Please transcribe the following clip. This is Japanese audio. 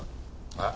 あっ？